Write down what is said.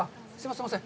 すいません。